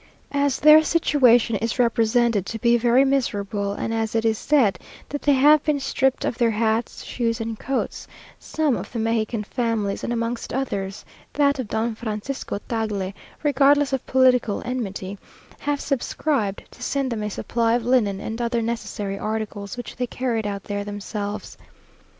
As their situation is represented to be very miserable, and as it is said that they have been stripped of their hats, shoes, and coats; some of the Mexican families, and amongst others, that of Don Francisco Tagle, regardless of political enmity, have subscribed to send them a supply of linen and other necessary articles, which they carried out there themselves.